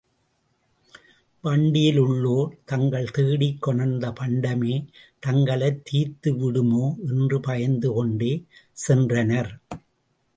வண்டியிலுள்ளோர் தாங்கள் தேடிக் கொணர்ந்த பண்டமே தங்களைத் தீர்த்துவிடுமோ என்று பயந்து கொண்டே சென்றனர்.